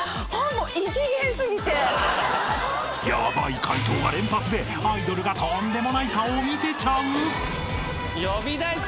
［ヤバい解答が連発でアイドルがとんでもない顔を見せちゃう！？］